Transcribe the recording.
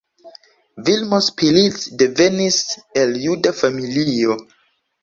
Vilmos Pillitz devenis el juda familio.